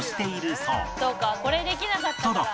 「そうかこれできなかったから」